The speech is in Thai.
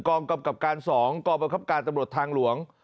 กำกับการ๒กองบังคับการตำรวจทางหลวง